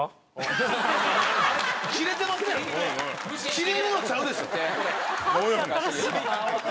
キレるのちゃうでしょ。